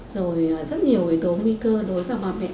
rồi rất nhiều tố nguy cơ đối với bà mẹ